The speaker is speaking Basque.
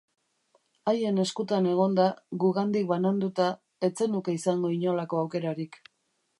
Haien eskutan egonda, gugandik bananduta, ez zenuke izango inolako aukerarik.